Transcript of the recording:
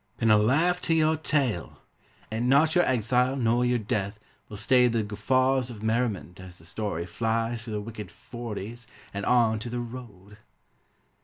Pin a laugh to your tale When stalking your enemy And not your exile nor your death Will stay the guffaws of merriment As the story flies Through the Wicked Forties And on to the "Road."